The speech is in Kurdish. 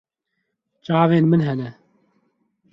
Çavên min hene.